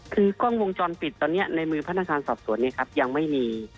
คือกล้องวงจรปิดตอนนี้ในมือพนักงานสอบสวนเนี่ยครับยังไม่มี